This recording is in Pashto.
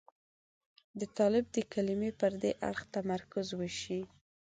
د طالب د کلمې پر دې اړخ تمرکز وشي.